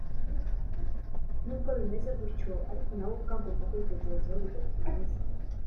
n’ubwo bimeze gutyo ariko na we ubwe agomba kwitekerezaho bidatinze